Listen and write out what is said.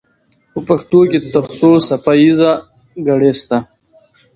په پښتو کې تر څو څپه ایزه ګړې سته؟